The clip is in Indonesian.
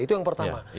itu yang pertama